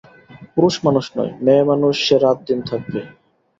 পুরুষমানুষ নয়, মেয়েমানুষ-সে রাত-দিন থাকবে।